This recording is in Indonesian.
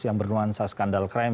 yang bernuansa skandal krim